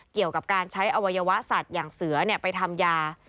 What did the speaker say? เกี่ยวกับการใช้อวัยวะสัตว์อย่างเสือไปทำยา